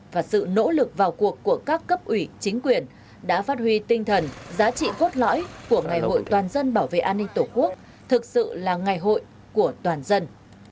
và sự nỗ lực vào cuộc của các cấp ủy chính quyền đã phát huy tinh thần giá trị cốt lõi của ngày hội toàn dân bảo vệ an ninh tổ quốc thực sự là ngày hội của toàn dân